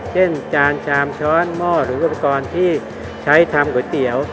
จานชามช้อนหม้อหรืออุปกรณ์ที่ใช้ทำก๋วยเตี๋ยว